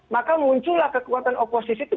maka muncullah kekuatan oposisi itu